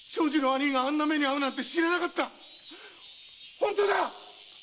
本当だ！